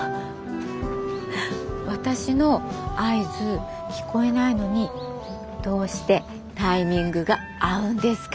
私の合図聞こえないのにどうしてタイミングが合うんですか？